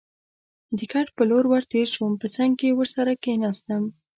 د کټ په لور ور تېر شوم، په څنګ کې ورسره کېناستم.